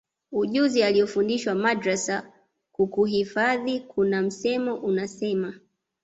ujuzi aliyofundishwa madrasa kukuhifadhi Kuna msemo unasema